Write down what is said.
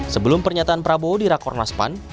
sebelum pernyataan prabowo di rakornaspan